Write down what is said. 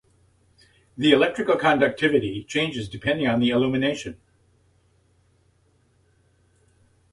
The electrical conductivity changes depending on the illumination.